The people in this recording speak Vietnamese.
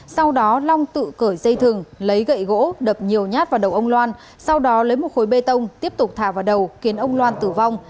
sau đó long tự cởi dây thừng lấy gậy gỗ đập nhiều nhát vào đầu ông loan sau đó lấy một khối bê tông tiếp tục thả vào đầu khiến ông loan tử vong